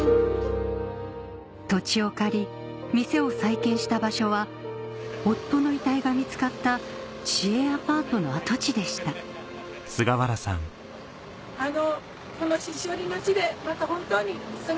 土地を借り店を再建した場所は夫の遺体が見つかった市営アパートの跡地でしたあの。